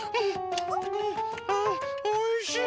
おいしい！